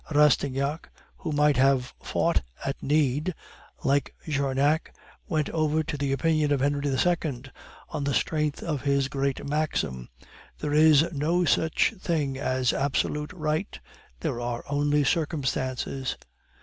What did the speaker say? Rastignac, who might have fought at need, like Jarnac, went over to the opinion of Henri II. on the strength of his great maxim, 'There is no such thing as absolute right; there are only circumstances.